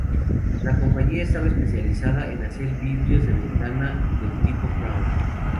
La compañía estaba especializada en hacer vidrios de ventana del tipo crown.